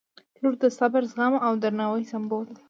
• لور د صبر، زغم او درناوي سمبول دی.